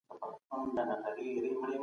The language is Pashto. الله زموږ په دعاګانو کي برکت ایږدي.